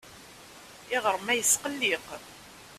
Iɣrem-a yesqelliq.